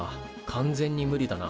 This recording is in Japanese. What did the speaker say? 完全に無理だな。